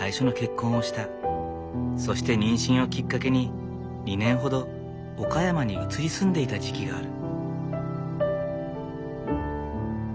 そして妊娠をきっかけに２年ほど岡山に移り住んでいた時期がある。